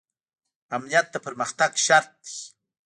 امنیت د پرمختګ شرط دی